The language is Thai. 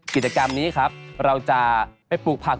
กิจกรรมนี้ครับเราจะไปปลูกผัก